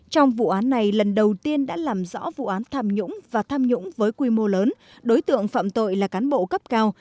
trong vụ án này lần đầu tiên đã làm rõ vụ án tham nhũng và tham nhũng với quy mô lớn đối tượng phạm tội là cán bộ cấp cao